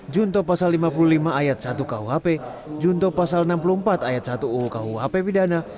junto pasal lima puluh lima ayat satu kuhp junto pasal enam puluh empat ayat satu uu kuhp pidana